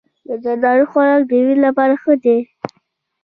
د زردالو خوراک د وینې لپاره ښه دی.